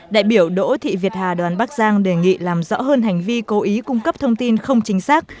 đại biểu đỗ thị việt hà đoàn bắc giang đề nghị làm rõ hơn hành vi cố ý cung cấp thông tin không chính xác